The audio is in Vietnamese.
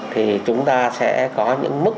thì chúng ta sẽ có những mức